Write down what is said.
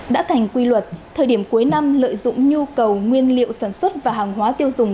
đã thành quy luật thời điểm cuối năm lợi dụng nhu cầu nguyên liệu sản xuất và hàng hóa tiêu dùng